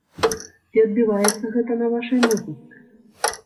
Ці адбіваецца гэта на вашай музыцы?